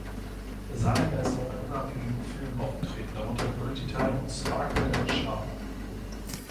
Salenger ist auch in unabhängigen Filmen aufgetreten, darunter „Quality Time“ und „Sparkle and Charm“.